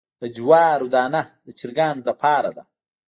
د جوارو دانه د چرګانو لپاره ده.